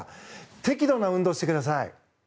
適度な運動をしてください。